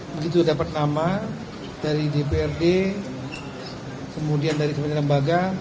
begitu dapat nama dari dprd kemudian dari kementerian lembaga